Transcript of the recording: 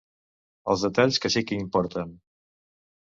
Els detalls que sí que importen.